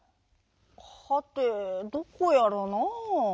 はてどこやらなあ。